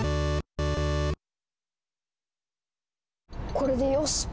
これでよしと。